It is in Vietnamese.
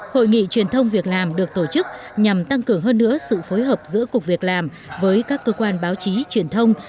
hội nghị truyền thông việc làm được tổ chức nhằm tăng cường hơn nữa sự phối hợp giữa cục việc làm với các cơ quan báo chí truyền thông